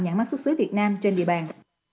nhãn mắt xuất xứ việt nam trên địa bàn